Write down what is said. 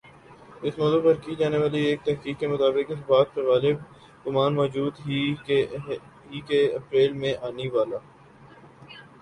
اس موضوع پر کی جانی والی ایک تحقیق کی مطابق اس بات کا غالب گمان موجود ہی کہ اپریل میں آنی والا